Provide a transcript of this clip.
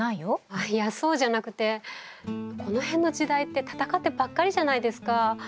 あっいやそうじゃなくてこの辺の時代って戦ってばっかりじゃないですか。